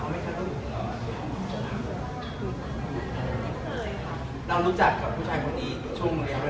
เรารู้จักกับผู้ชายคนนี้ช่วงเวลาไหน